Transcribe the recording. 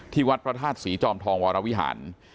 ที่วัฏพระธาตุสีจอมทองวรวีหาร